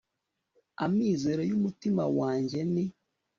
amizero y'umutima wanjye ni